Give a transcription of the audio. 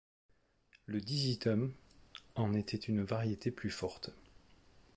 Le dizythum en était une variété plus forte.